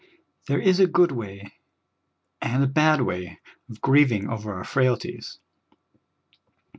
There is a good way and a bad way of grieving over our frailties.